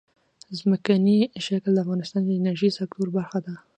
ځمکنی شکل د افغانستان د انرژۍ سکتور برخه ده.